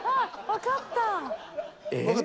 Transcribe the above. わかった。